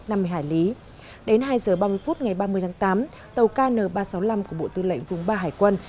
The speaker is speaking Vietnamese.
nằm hải lý đến hai h ba mươi phút ngày ba mươi tháng tám tàu kn ba trăm sáu mươi năm của bộ tư lệnh vùng ba hải quân